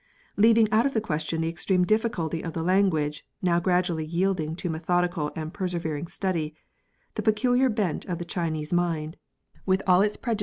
Leaving out of the question the extreme difficulty of the language, now gradually yielding to methodical and persevering study, the peculiar bent of the Chinese mind, with all its preju JURISPRUDENCE.